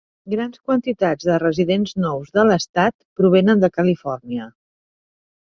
Grans quantitats de residents nous de l'estat provenen de Califòrnia.